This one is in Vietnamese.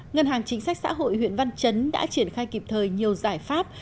ngân hàng chính sách xã hội huyện văn chấn đã triển khai kịp thời nhiều giải pháp